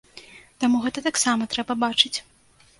Таму гэта таксама трэба бачыць.